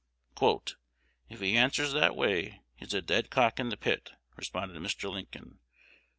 "If he answers that way, he's a dead cock in the pit," responded Mr. Lincoln.